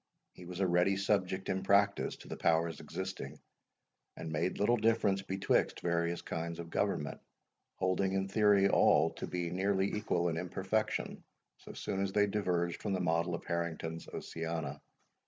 He was a ready subject in practice to the powers existing, and made little difference betwixt various kinds of government, holding in theory all to be nearly equal in imperfection, so soon as they diverged from the model of Harrington's Oceana.